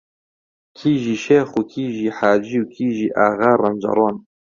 کیژی شێخ و کیژی حاجی و کیژی ئاغا ڕەنجەڕۆن